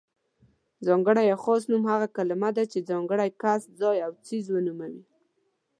ځانګړی يا خاص نوم هغه کلمه ده چې ځانګړی کس، ځای او څیز ونوموي.